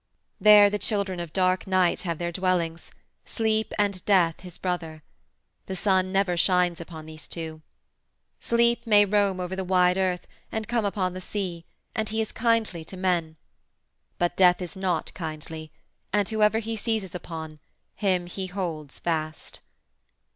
There the children of dark Night have their dwellings Sleep, and Death, his brother. The sun never shines upon these two. Sleep may roam over the wide earth, and come upon the sea, and he is kindly to men. But Death is not kindly, and whoever he seizes upon, him he holds fast.